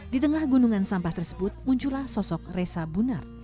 di tengah gunungan sampah tersebut muncullah sosok resa bunar